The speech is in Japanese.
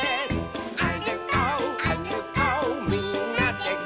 「あるこうあるこうみんなでゴー！」